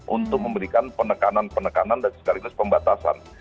untuk memberikan penekanan penekanan dan sekaligus pembatasan